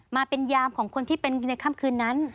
มาเป็นยามของคนที่เป็นในค่ำคืนนั้น